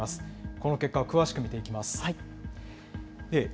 この結果は詳しく見ていきます。